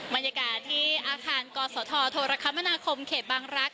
บรรยากาศที่อาคารกศธธคมเขตบางรัก